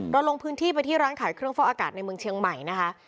ลงพื้นที่ไปที่ร้านขายเครื่องฟอกอากาศในเมืองเชียงใหม่นะคะ